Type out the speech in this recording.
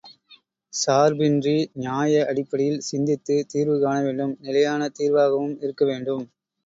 சார்பின்றி நியாய அடிப்படையில் சிந்தித்துத் தீர்வு காணவேண்டும் நிலையான தீர்வாகவும் இருக்க வேண்டும்.